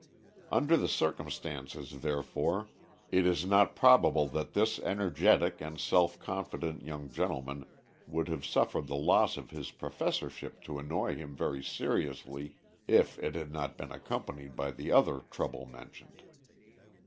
Under the circumstances, therefore, it is not probable that this energetic and self confident young gentleman would have suffered the loss of his professorship to annoy him very seriously if it had not been accompanied by the other trouble mentioned.